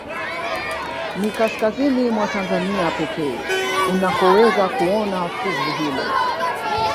Ni kaskazini mwa Tanzania pekee unakoweza kuona fuvu hilo